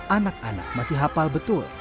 anak anak masih hafal betul